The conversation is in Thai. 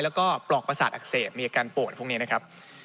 แล้วก็ปลอกประสาทอักเสบมีอาการปวดพวกนี้นะครับ